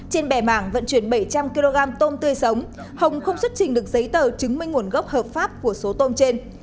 trên bè mảng vận chuyển bảy trăm linh kg tôm tươi sống hồng không xuất trình được giấy tờ chứng minh nguồn gốc hợp pháp của số tôm trên